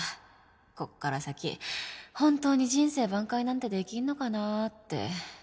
ここから先本当に人生挽回なんてできるのかなって。